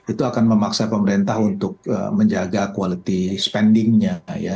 itu akan memaksa pemerintah untuk menjaga kualitas pengeluarannya